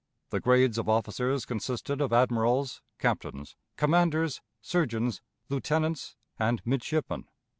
The grades of officers consisted of admirals, captains, commanders, surgeons, lieutenants, and midshipmen.